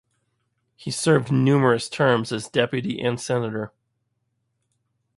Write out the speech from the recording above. He served numerous terms as deputy and senator.